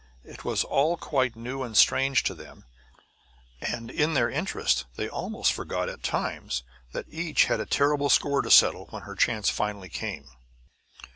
It was all quite new and strange to them, and in their interest they almost forgot at times that each had a terrible score to settle when her chance finally came.